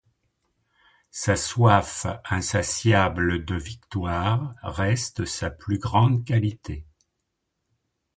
Sa soif insatiable de victoire reste sa plus grande qualité.